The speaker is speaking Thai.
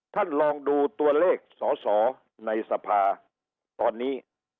ท่านลองดูตัวเลขสอสอในสภาตอนนี้